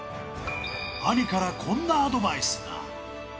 兄からこんなアドバイスが。